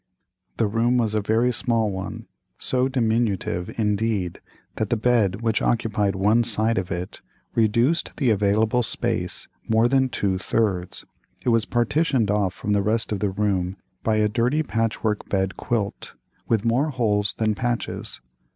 The room was a very small one—so diminutive, indeed, that the bed, which occupied one side of it, reduced the available space more than two thirds. It was partitioned off from the rest of the room by a dirty patch work bed quilt, with more holes than patches.